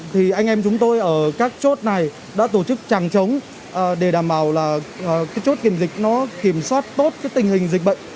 thì anh em chúng tôi ở các chốt này đã tổ chức chẳng chống để đảm bảo là cái chốt kiểm dịch nó kiểm soát tốt cái tình hình dịch bệnh